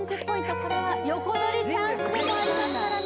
これは横取りチャンスでもありますからね